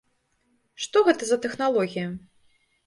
Што гэта за тэхналогія?